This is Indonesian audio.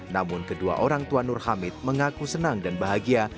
namun kedua orang tua nur hamid mengaku senang dan bahagia